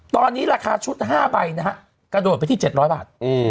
ตอนนี้ราคาชุด๕ใบนะฮะกระโดดไปที่๗๐๐บาท